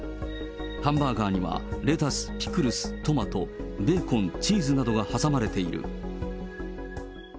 ハンバーガーにはレタス、ピクルス、トマト、ベーコン、チーズなどが挟まれている。